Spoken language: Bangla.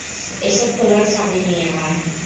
এসব খেলার সময় নেই আমার।